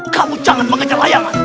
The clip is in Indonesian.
kamu jangan mengejar layangan